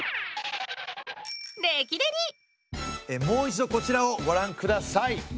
もう一度こちらをごらんください。